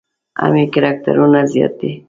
هم یې کرکټرونه زیات دي.